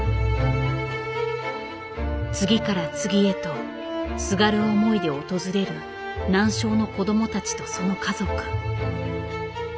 次から次へとすがる思いで訪れる難症の子どもたちとその家族。